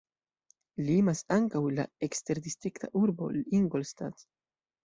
Limas ankaŭ la eksterdistrikta urbo Ingolstadt.